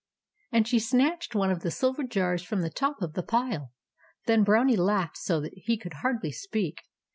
And she snatched one of the silver jars from the top of the pile. The Brownie laughed so that he could hardly speak.